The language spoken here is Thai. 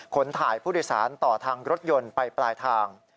ขนถ่ายผู้โดยสารต่อทางรถยนต์ไปปลายทาง